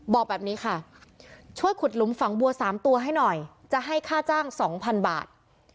บอกแบบนี้ค่ะช่วยขุดหลุมฝังบัว๓ตัวให้หน่อยจะให้ค่าจ้าง๒๐๐๐บาท